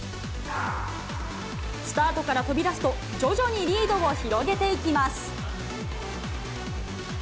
スタートから飛び出すと、徐々にリードを広げていきます。